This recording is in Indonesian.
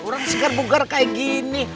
orang segar bugar kayak gini